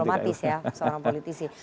itu jawaban diplomatis ya seorang politisi